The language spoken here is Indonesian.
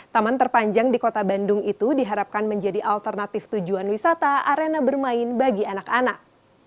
taman terpanjang di kota bandung itu diharapkan menjadi alternatif tujuan wisata arena bermain bagi anak anak